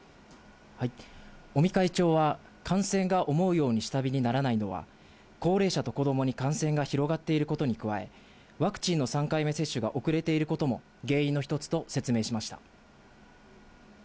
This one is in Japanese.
尾身会長は、感染が思うように下火にならないのは、高齢者と子どもに感染が広がっていることに加え、ワクチンの３回目接種が遅れていることも原因の一つと説明しました。